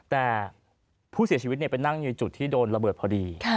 แต่ผู้เสียชีวิตไปนั่งอยู่จุดที่โดนระเบิดพอดี